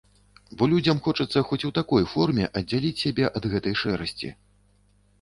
Бо людзям хочацца хоць у такой форме аддзяліць сябе ад гэтай шэрасці.